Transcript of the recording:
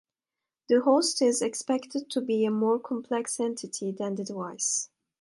The host is expected to be a more complex entity than the device.